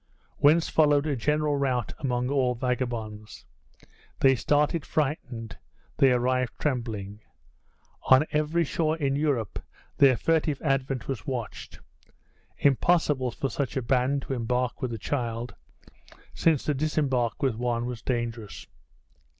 Whence followed a general rout among all vagabonds. They started frightened; they arrived trembling. On every shore in Europe their furtive advent was watched. Impossible for such a band to embark with a child, since to disembark with one was dangerous.